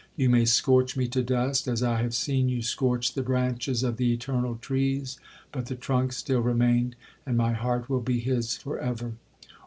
You may scorch me to dust, as I have seen you scorch the branches of the eternal trees—but the trunk still remained, and my heart will be his for ever.